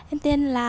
em tên là